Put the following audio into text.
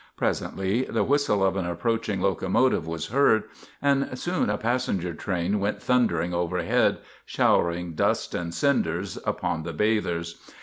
Presently the whistle of an approaching locomo tive was heard and soon a passenger train went thundering overhead, showering dust and cinders upon the bathers.